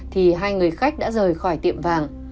thì hai người khách đã rời khỏi tiệm vàng